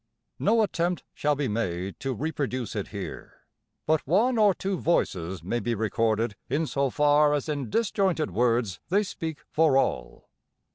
No attempt shall be made to reproduce it here; but one or two voices may be recorded in so far as in disjointed words they speak for all.